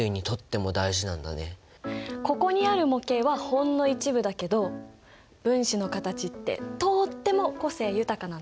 ここにある模型はほんの一部だけど分子の形ってとっても個性豊かなんだ。